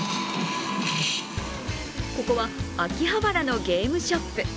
ここは秋葉原のゲームショップ。